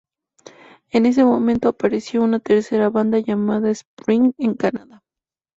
En ese momento apareció una tercera banda llamada Spring en Canadá.